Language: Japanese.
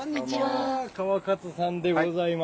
川勝さんでございます。